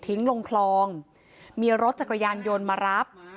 ลงคลองมีรถจักรยานยนต์มารับ